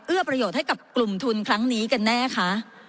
ประโยชน์ให้กับกลุ่มทุนครั้งนี้กันแน่คะ